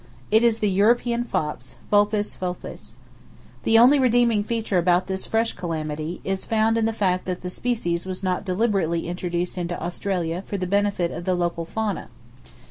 It is the European fox (Vulpes vulpes). The only redeeming feature about this fresh calamity is found in the fact that the species was not deliberately introduced into Australia for the benefit of the local fauna.